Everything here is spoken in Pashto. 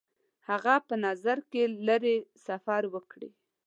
هغه په نظر کې لري سفر وکړي.